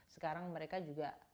sekarang mereka juga